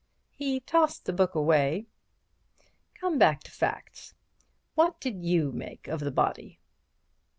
He tossed the book away. "Come back to facts. What did you make of the body?"